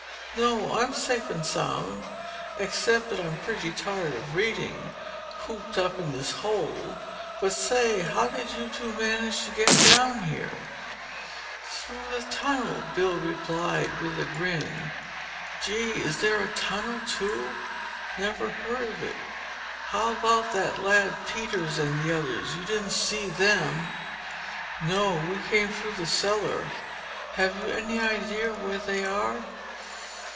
"No, I'm safe and sound, except that I'm pretty tired of reading—cooped up in this hole. But say, how did you two manage to get down here?" "Through the tunnel," replied Bill with a grin. "Gee, is there a tunnel, too? Never heard of it. How about that lad Peters and the others—you didn't see them?" "No, we came through the cellar. Have you any idea where they are?"